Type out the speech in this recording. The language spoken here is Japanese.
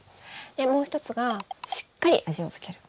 でもう１つがしっかり味を付ける。